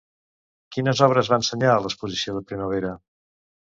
Quines obres va ensenyar a l'Exposició de Primavera?